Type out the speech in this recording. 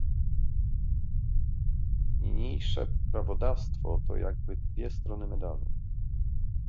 Niniejsze prawodawstwo to jakby dwie strony medalu